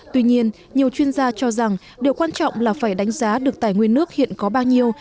tuy nhiên nhiều chuyên gia cho rằng điều quan trọng là phải đánh giá được tài nguyên nước hiện có bao nhiêu